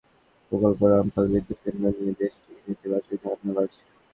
অন্যদিকে ভারত-বাংলাদেশের যৌথ প্রকল্প রামপাল বিদ্যুৎকেন্দ্র নিয়ে দেশটিতে নেতিবাচক ধারণা বাড়ছে।